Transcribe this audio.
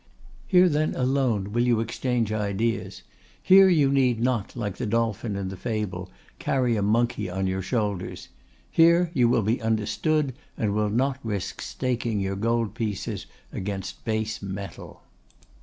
Here, then, alone, will you exchange ideas; here you need not, like the dolphin in the fable, carry a monkey on your shoulders; here you will be understood, and will not risk staking your gold pieces against base metal.